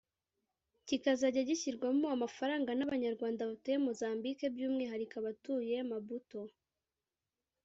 kikazajya gishyirwamo amafaranga n’abanyarwanda batuye Mozambique by’umwihariko abatuye Maputo